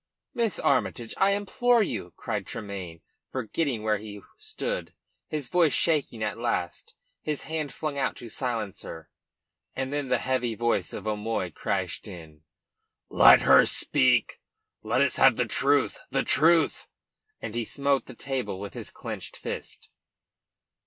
"Miss Armytage I implore you!" cried Tremayne, forgetting where he stood, his voice shaking at last, his hand flung out to silence her. And then the heavy voice of O'Moy crashed in: "Let her speak. Let us have the truth the truth!" And he smote the table with his clenched fist.